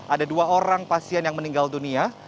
ada dua orang pasien yang meninggal dunia